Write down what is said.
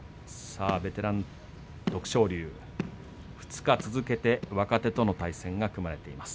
ベテラン、徳勝龍２日続けて若手との対戦が組まれています。